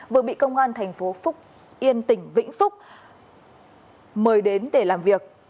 vừa bị công an tp phúc yên tỉnh vĩnh phúc mời đến để làm việc